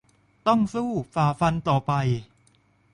ต้องสู้ฝ่าฟันต่อไป